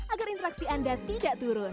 agar interaksi anda tidak turun